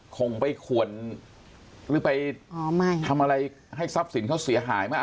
คงไปขวนหรือไปทำอะไรให้ทรัพย์สินเขาเสียหายมาก